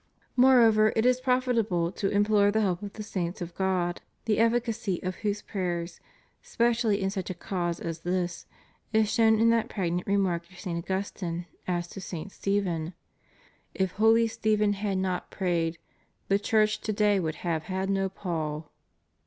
Moreover, jt is profitable to implore the help of the saints of God, the efficacy of whose prayers, specially in such a cause as this, is shown in that pregnant remark of St. Augustine as to St. Stephen: " If holy Stephen had not prayed, the Church to day would have had no Paul."